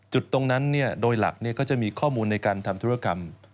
จุดตรงนั้นโดยหลักก็จะมีข้อมูลในการทำธุรกรรม